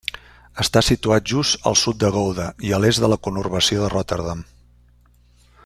Està situat just al sud de Gouda i a l'est de la conurbació de Rotterdam.